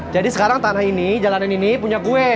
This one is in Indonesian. jadi sekarang tanah ini jalanan ini punya gue